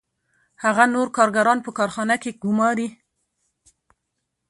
هغه نور کارګران په کارخانه کې ګوماري